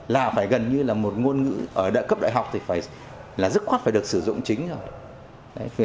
là phải gần như là một ngôn ngữ ở đại cấp đại học thì phải là dứt khoát phải được sử dụng chính rồi